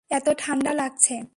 এত ঠাণ্ডা লাগছে।